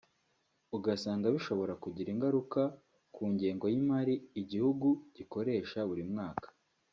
ugasanga bishobora kugira ingaruka ku ngengo y’imari igihugu gikoresha buri mwaka